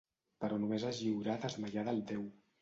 Però només es lliurà desmaiada al déu.